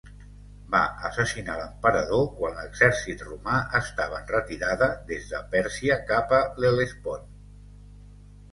Va assassinar l'emperador quan l'exèrcit romà estava en retirada des de Pèrsia cap a l'Hel·lespont.